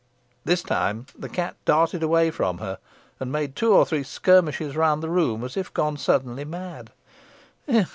This time the cat darted away from her, and made two or three skirmishes round the room, as if gone suddenly mad.